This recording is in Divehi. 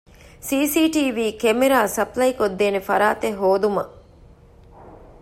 ސި.ސީ.ޓީވީ ކެމެރާ ސަޕްލައިކޮށްދޭ ފަރާތެއް ހޯދުމަށް